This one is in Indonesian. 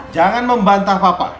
jangan membantah papa